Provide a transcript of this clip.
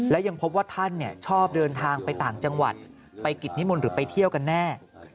และยังพบว่าท่านชอบเดินทางไปต่างจังหวัดไปกิจนิมนต์หรือไปเที่ยวกันแน่